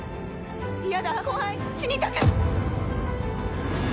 嫌だ怖い死にたく